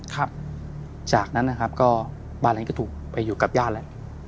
ครับจากนั้นนะครับก็บ้านนั้นก็ถูกไปอยู่กับญาติแล้ว